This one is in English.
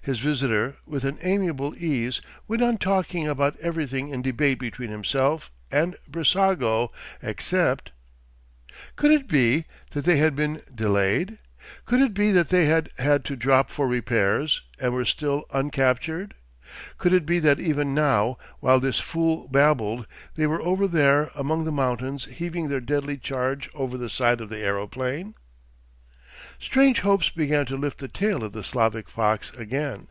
His visitor, with an amiable ease, went on talking about everything in debate between himself and Brissago except——. Could it be that they had been delayed? Could it be that they had had to drop for repairs and were still uncaptured? Could it be that even now while this fool babbled, they were over there among the mountains heaving their deadly charge over the side of the aeroplane? Strange hopes began to lift the tail of the Slavic fox again.